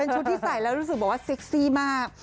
ชุดที่ใส่แล้วรู้สึกบอกว่าเซ็กซี่มาก